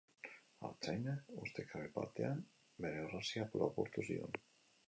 Artzainak ustekabe batean bere orrazia lapurtu zion.